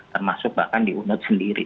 termasuk bahkan di uned sendiri